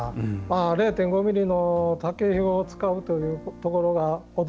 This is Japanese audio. ０．５ｍｍの竹ひごを使うというところが驚きですね。